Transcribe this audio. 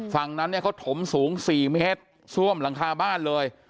ฝั่งนั้นเนี่ยเขาถมสูง๔เมตรซ่วมหลังคาบ้านเลย